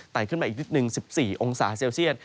ขึ้นมาอีกนิดนึง๑๔องศาเซลเซียต